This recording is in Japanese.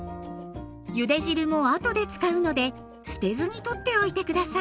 ゆで汁も後で使うので捨てずにとっておいて下さい。